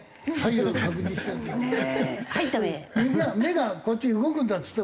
「目がこっち動くんだ」っつってもダメなのね。